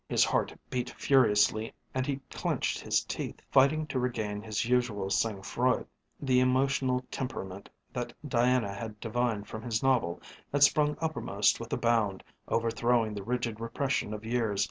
His heart beat furiously and he clenched his teeth, fighting to regain his usual sang froid. The emotional temperament that Diana had divined from his novel had sprung uppermost with a bound, overthrowing the rigid repression of years.